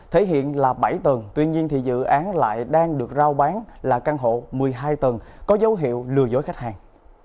thể hiện là bảy tầng tuy nhiên thì dự án lại đang được giao bán là căn hộ một mươi hai tầng có dấu hiệu lừa dối khách hàng